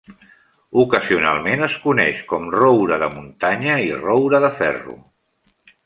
Ocasionalment es coneix com roure de muntanya i roure de ferro.